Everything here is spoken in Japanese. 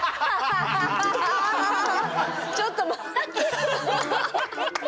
ちょっと待って！